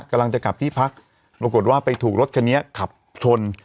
กำลังจะกลับที่พักปรากฏว่าไปถูกรถคันนี้ขับชน